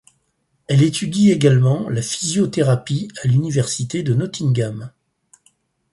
Elle étudie également la physiothérapie à l'université de Nottingham.